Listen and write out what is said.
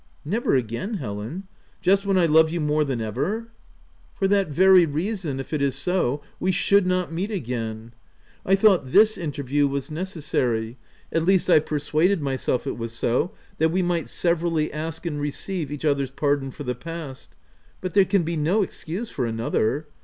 " Never again, Helen? just when I love you more than ever ! v " For that very reason, if it so, we should not meet again. I thought this interview was necessary — at least, I persuaded myself it was so — that we might severally ask and receive each other's pardon for the past ; but there can be no excuse for another.